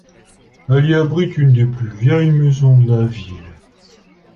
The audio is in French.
Elle y abrite une des plus vieilles maisons de la ville.